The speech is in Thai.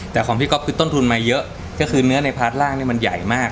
แต่ของพี่ก๊อฟคือต้นทุนมาเยอะก็คือเนื้อในพาร์ทร่างเนี่ยมันใหญ่มาก